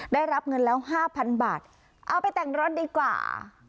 ได้รับเงินแล้วห้าพันบาทเอาไปแต่งรถดีกว่า